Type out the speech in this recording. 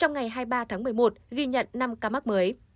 trong ngày hai mươi ba tháng một mươi một ghi nhận năm ca mắc mới